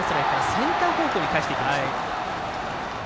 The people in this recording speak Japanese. センター方向に返していきました。